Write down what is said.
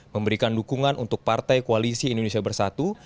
memberikan dukungan untuk partai koalisi indonesia bersatu